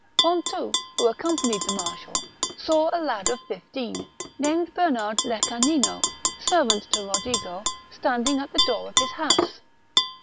Pontou, who accompanied the marshal, saw a lad of fifteen, named Bernard Lecanino, servant to Rodigo, standing at the door of his house.